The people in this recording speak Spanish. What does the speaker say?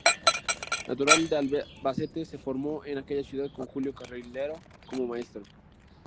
Natural de Albacete, se formó en aquella ciudad con Julio Carrilero como maestro.